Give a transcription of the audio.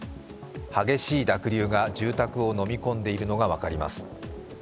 激しい濁流が住宅を飲み込んでいるのが分かります。